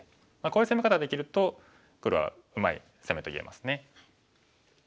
こういう攻め方できると黒はうまい攻めと言えますね。